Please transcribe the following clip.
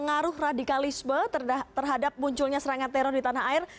pengaruh radikalisme terhadap munculnya serangan teror di tanah air